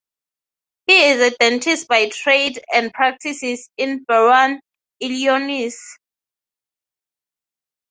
He is a dentist by trade and practices in Berwyn, Illinois.